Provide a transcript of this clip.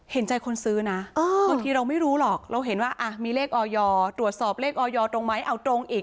เห็นใจคนซื้อนะบางทีเราไม่รู้หรอกเราเห็นว่ามีเลขออยตรวจสอบเลขออยตรงไหมเอาตรงอีก